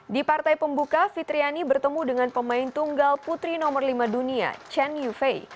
di partai pembuka fitriani bertemu dengan pemain tunggal putri nomor lima dunia chen yufei